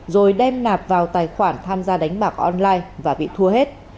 rồi đem nạp vào tài khoản tham gia đánh bạc online và bị thua hết